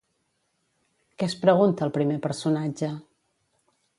Què es pregunta el primer personatge?